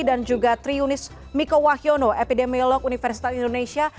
dan juga triunis miko wahyono epidemiolog universitas indonesia